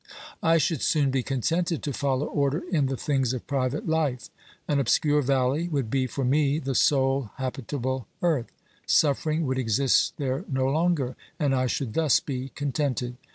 I should soon be contented to follow order in the things of private life. An obscure valley would be for me the sole habitable earth. Suffering would exist there no longer, and I should thus be contented.